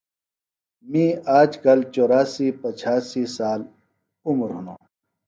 می آجکل چوراسی پچھاسی سال عُمر ہِنوۡ